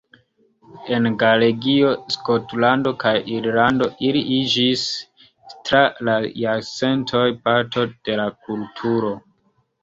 En Galegio, Skotlando kaj Irlando ili iĝis tra la jarcentoj parto de la kulturo.